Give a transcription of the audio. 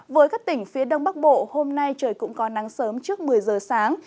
với các tỉnh phía đông bắc bộ hôm nay trời cũng có nắng sớm trước một mươi giờ sáng